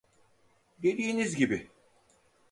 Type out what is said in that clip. Dediğiniz gibi